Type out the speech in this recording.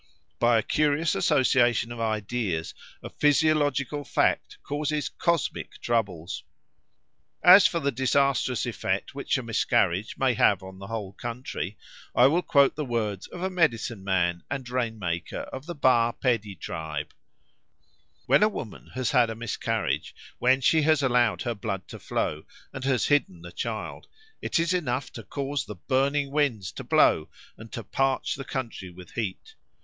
By a curious association of ideas a physiological fact causes cosmic troubles!" As for the disastrous effect which a miscarriage may have on the whole country I will quote the words of a medicine man and rain maker of the Ba Pedi tribe: "When a woman has had a miscarriage, when she has allowed her blood to flow, and has hidden the child, it is enough to cause the burning winds to blow and to parch the country with heat.